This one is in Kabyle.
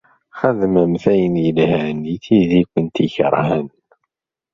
Xedmemt ayen ilhan i tid i kent-ikeṛhen.